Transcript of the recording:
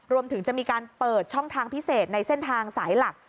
รวมถึงจะมีการเปิดช่องทางพิเศษในเส้นทางสายหลัก